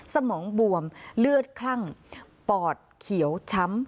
สมองบวมเลือดคลั่งปอดเขียวช้ำ